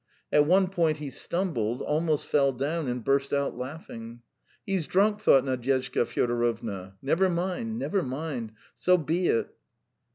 At one point he stumbled, almost fell down and burst out laughing. "He's drunk," thought Nadyezhda Fyodorovna. "Never mind. ... Never mind. ... So be it."